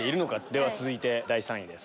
では続いて第３位です。